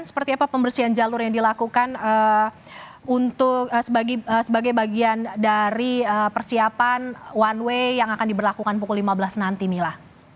seperti apa pembersihan jalur yang dilakukan sebagai bagian dari persiapan one way yang akan diberlakukan pukul lima belas nanti mila